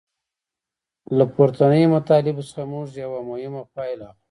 له پورتنیو مطالبو څخه موږ یوه مهمه پایله اخلو.